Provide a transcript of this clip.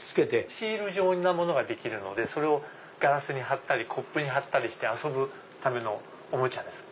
シール状なものができるのでそれをガラスに張ったりコップに張ったりして遊ぶためのおもちゃです。